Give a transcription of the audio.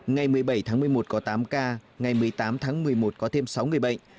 ngày một mươi bảy tháng một mươi một có tám ca ngày một mươi tám tháng một mươi một có thêm sáu người bệnh